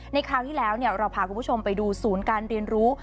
คราวที่แล้วเราพาคุณผู้ชมไปดูศูนย์การเรียนรู้